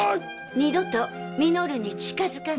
二度と稔に近づかないで。